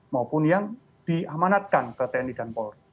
maupun yang diamanatkan ke tni dan polri